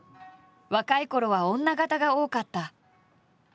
若いころは女形が多かった。